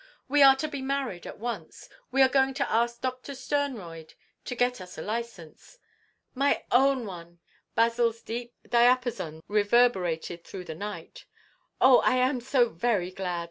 "We are to be married at once! We are going to ask Doctor Sternroyd to get us a licence." "My own one!" Basil's deep diapason reverberated through the night. "Oh! I am so very glad!"